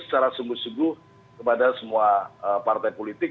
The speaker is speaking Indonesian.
secara sungguh sungguh kepada semua partai politik